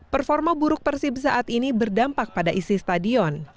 performa buruk persib saat ini berdampak pada isi stadion